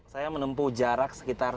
saya menempuh jarak sekitar